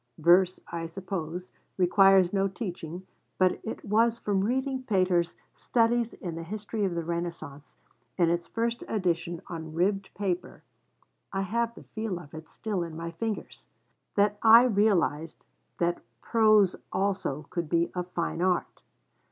Verse, I suppose, requires no teaching, but it was from reading Pater's Studies in the History of the Renaissance, in its first edition on ribbed paper (I have the feel of it still in my fingers), that I realised that prose also could be a fine art.